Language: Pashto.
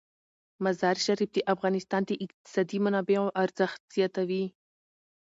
مزارشریف د افغانستان د اقتصادي منابعو ارزښت زیاتوي.